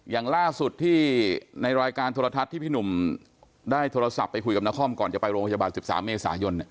อย่างล่าสุดที่ในรายการโทรทัศน์ที่พี่หนุ่มได้โทรศัพท์ไปคุยกับนครก่อนจะไปโรงพยาบาล๑๓เมษายน